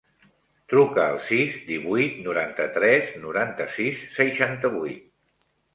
Truca al sis, divuit, noranta-tres, noranta-sis, seixanta-vuit.